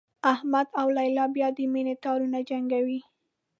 احمد او لیلا بیا د مینې تارونه جنګوي.